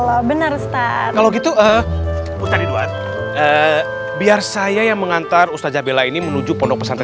ya berubah pikiran ya berubah pikiran pasti